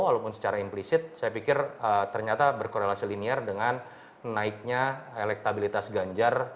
walaupun secara implisit saya pikir ternyata berkorelasi linier dengan naiknya elektabilitas ganjar